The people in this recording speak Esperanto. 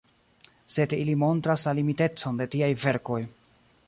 Sed ili montras la limitecon de tiaj verkoj.